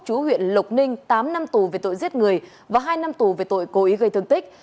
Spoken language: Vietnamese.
chú huyện lộc ninh tám năm tù về tội giết người và hai năm tù về tội cố ý gây thương tích